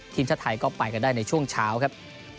ทีมชาติไทยก็ไปกันได้ในช่วงเช้าครับ